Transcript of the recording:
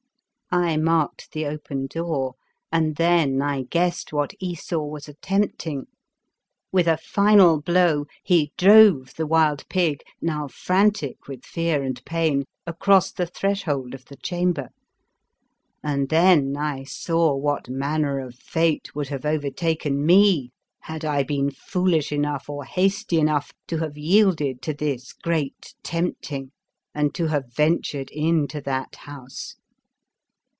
I marked the open door and then I guessed what Esau was attempting. With a final blow he drove the wild pig, now frantic with fear and pain, across the threshold of the chamber, and then I saw what manner of fate would have overtaken me, had I been foolish enough or hasty enough to have yielded to this great tempting and to have ventured into that house.